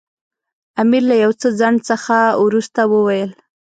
امیر له یو څه ځنډ څخه وروسته وویل.